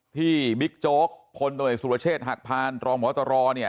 ที่บิ๊กโจ๊กคนโดยสุรเชษฐ์หักพานน์ลอมสะโรนี่